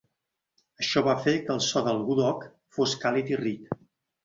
Això va fer que el so del gudok fos càlid i ric.